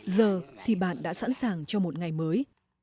giờ thì bạn đã sẵn sàng cho một ngày mới